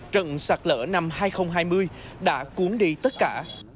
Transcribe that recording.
trận sạt lở năm hai nghìn hai mươi đã cuốn đi tất cả